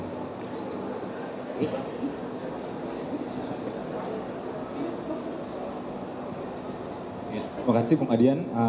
terima kasih bung adian